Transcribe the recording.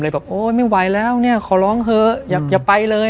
แบบโอ๊ยไม่ไหวแล้วเนี่ยขอร้องเถอะอย่าไปเลย